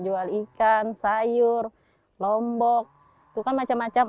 jual ikan sayur lombok itu kan macam macam